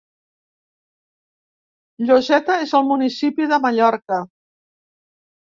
Lloseta és un municipi de Mallorca.